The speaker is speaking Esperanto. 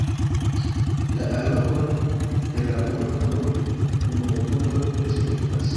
La allogon de la mono nur unuopuloj respektas.